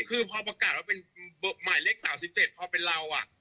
คือพอประกาศเป็นใหม่เลข๓๗พอเป็นเราอ่ะ